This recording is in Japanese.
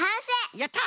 やった！